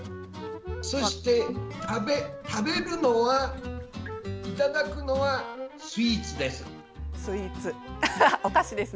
そして、食べるのはいただくのはスイーツです。